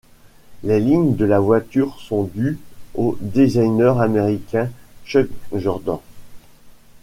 Les lignes de la voiture sont dues au designer américain Chuck Jordan.